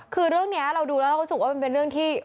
คือเรื่องนี้เราดูแล้วเราก็รู้สึกว่ามันเป็นเรื่องที่